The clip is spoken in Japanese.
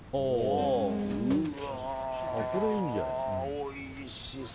うわ、おいしそう。